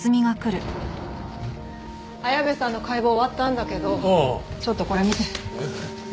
綾部さんの解剖終わったんだけどちょっとこれ見て。